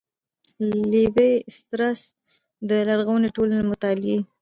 ''لېوي ستراس د لرغونو ټولنو له مطالعې